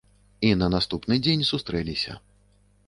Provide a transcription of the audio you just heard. І на наступны дзень сустрэліся.